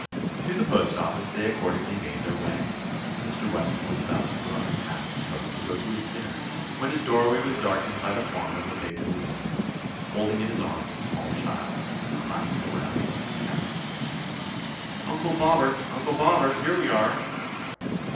'* To the postoffice they accordingly made their way. Mr. Weston was about to put on his hat and coat to go to his dinner when his doorway was darkened by the form of a big police man, holding in his arms a small child who clasped a rowdy looking cat. "Uncle Bobbert I Uncle Bobbert! here we are!"